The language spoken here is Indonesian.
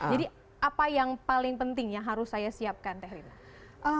jadi apa yang paling penting yang harus saya siapkan teh rina